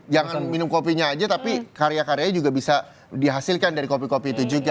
jangan minum kopinya aja tapi karya karyanya juga bisa dihasilkan dari kopi kopi itu juga